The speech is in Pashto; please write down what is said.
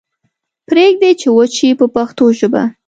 پریږدئ چې وچ شي په پښتو ژبه.